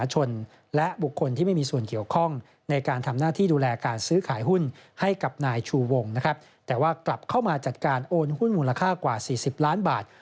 แต่ว่ากลับเข้ามาจัดการโอนหุ้นมูลค่ากว่า๔๐ล้านบาท